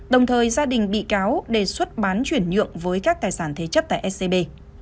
đồng thời gia đình bị cáo đề xuất bán chuyển nhượng với các tài sản thế chấp tại scb